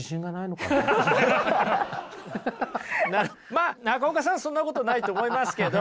まあ中岡さんそんなことないと思いますけど。